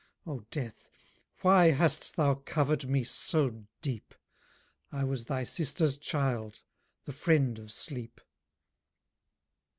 O death, why hast thou covered me so deep? I was thy sister's child, the friend of Sleep."